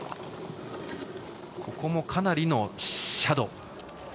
ここもかなりの斜度。